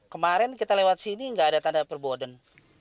kemarin kita lewat sini nggak ada tanda perboden